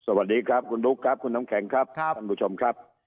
สวัสดีครับคุณบุ๊คครับคุณน้ำแข็งครับท่านผู้ชมครับ